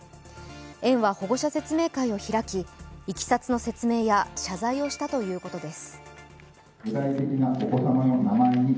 園は保護者説明会を開きいきさつの説明や謝罪をしたということです。